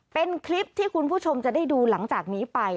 เป็นคลิปที่คุณผู้ชมจะได้ดูหลังจากนี้ไป